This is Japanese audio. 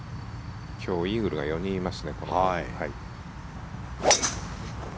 今日イーグルが４人いますね。